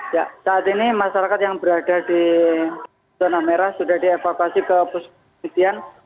ya saat ini masyarakat yang berada di zona merah sudah dievakuasi ke puskestian